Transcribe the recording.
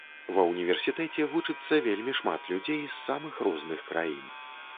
Ва універсітэце вучыцца вельмі шмат людзей з самых розных краін.